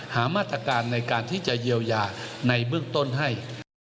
หามาตรการในการที่จะเยียวยาในเบื้องต้นให้